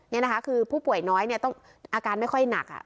นี่นะคะคือผู้ป่วยน้อยเนี่ยต้องอาการไม่ค่อยหนัก